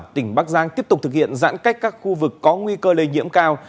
tỉnh bắc giang tiếp tục thực hiện giãn cách các khu vực có nguy cơ lây nhiễm cao